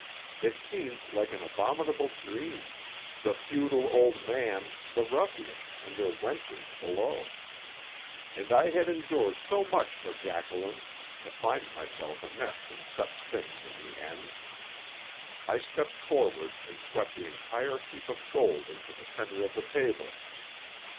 It seemed like an abominable dream the futile old man, the ruffians and their wenches below. And I had endured so much for Jacqueline, to find myself immeshed in such things in the end. I stepped forward and swept the entire heap of gold into the centre of the table.